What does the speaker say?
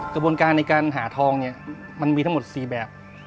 กระบวนการในการหาทองเนี่ยมันมีทั้งหมด๔แบบ